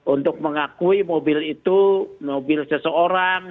untuk mengakui mobil itu mobil seseorang